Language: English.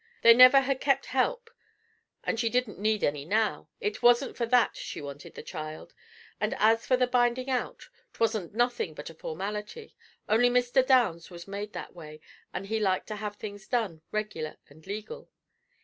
They never had kept "help," and she didn't need any now; it wasn't for that she wanted the child, and as for the binding out, 'twasn't nothing but a formality, only Mr. Downs was made that way, and liked to have things done regular and legal.